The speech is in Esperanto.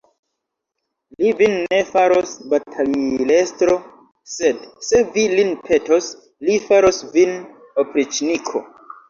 Li vin ne faros batalilestro, sed, se vi lin petos, li faros vin opriĉniko.